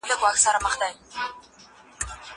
زه پاکوالي ساتلي دي!!